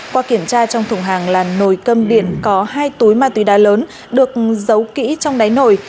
qua kiểm tra trong thùng hàng là nồi cơm biển có hai túi ma túy đá lớn được giấu kỹ trong đáy nồi